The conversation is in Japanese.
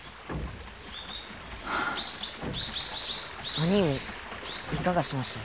兄上いかがしました？